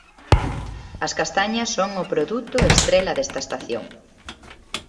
As castañas son o produto estrela desta estación.